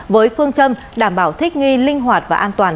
với phương châm đảm bảo thích nghi linh hoạt và an toàn